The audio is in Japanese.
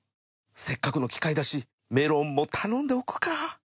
せっかくの機会だしメロンも頼んでおくか？